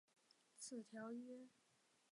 此条约一直生效直到贡特拉姆去世为止。